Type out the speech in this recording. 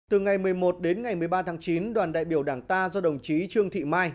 từ ngày một mươi một đến ngày một mươi ba tháng chín đoàn đại biểu đảng ta do đồng chí trương thị mai